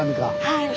はい。